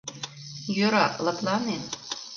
— Йӧра, лыплане.